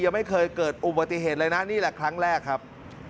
ยังไม่เคยเกิดอุบัติเหตุเลยนะนี่แหละครั้งแรกครับ